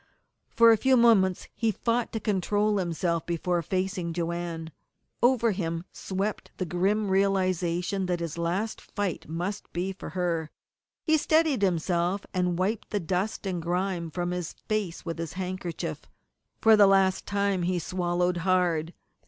For a few moments he fought to control himself before facing Joanne. Over him swept the grim realization that his last fight must be for her. He steadied himself, and wiped the dust and grime from his face with his handkerchief. For the last time he swallowed hard.